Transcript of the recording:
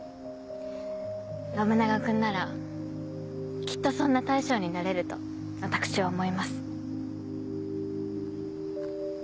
信長君ならきっとそんな大将になれると私は思います。